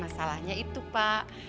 masalahnya itu pak